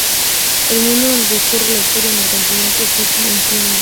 El mundo donde transcurre la historia es el continente ficticio de Sin fin.